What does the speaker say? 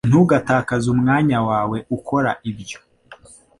Ntugatakaze umwanya wawe ukora ibyo